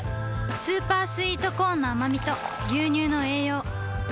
スーパースイートコーンのあまみと牛乳の栄養